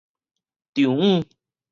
丈姆